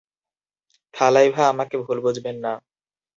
থালাইভা, আমাকে ভুল বুঝবেন না।